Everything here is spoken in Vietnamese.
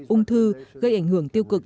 ung thư gây ảnh hưởng tiêu cực